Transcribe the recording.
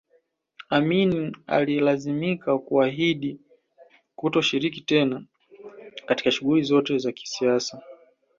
Amin alilazimika kuahidi kutoshiriki tena katika shughuli zozote za kisiasa